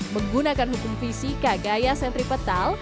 menggunakan hukum fisika gaya sentripetal